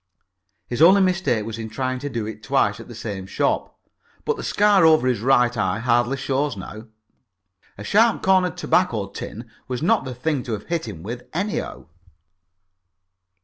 His only mistake was in trying to do it twice at the same shop, but the scar over his right eye hardly shows now. A sharp cornered tobacco tin was not the thing to have hit him with anyhow.